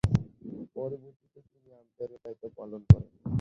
পরবর্তীতে তিনি আম্পায়ারের দায়িত্ব পালন করেন।